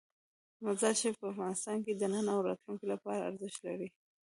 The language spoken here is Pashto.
مزارشریف په افغانستان کې د نن او راتلونکي لپاره ارزښت لري.